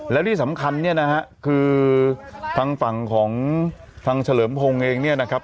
แล้วที่สำคัญเนี่ยนะฮะคือทางฝั่งของทางเฉลิมพงศ์เองเนี่ยนะครับ